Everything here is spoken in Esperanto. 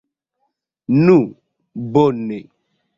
Nu bone!